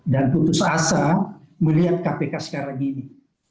dan putus asa melihat kpk sekarang ini